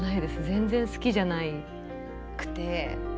全然好きじゃなくて。